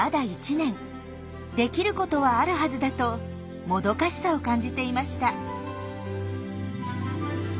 できることはあるはずだともどかしさを感じていました。